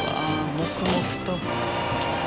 黙々と。